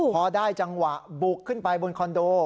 พอได้จังหวะบุกขึ้นไปบนคอนโด